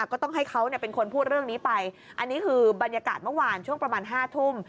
ก็ต้องให้เขาเป็นคนพูดเรื่องนี้ไปอันนี้คือบรรยากาศเมื่อวานช่วงประมาณ๕ทุ่ม